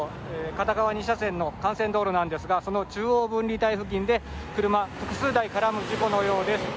片側２車線の幹線道路なんですがその中央分離帯付近で車複数台が絡む事故のようです。